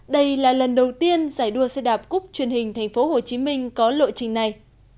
đây là lần đầu tiên giải đua xe đạp cúc truyền hình thành phố hồ chí minh có lộ trình này